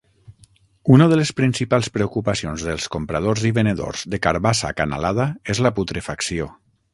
Una de les principals preocupacions dels compradors i venedors de carbassa acanalada és la putrefacció.